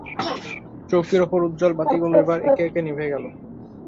চৌকির উপর উজ্জ্বল বাতিগুলো এবার একে একে নিভে গেল।